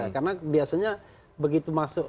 karena biasanya begitu masuk